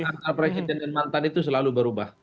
karena hubungan antara presiden dan mantan itu selalu berubah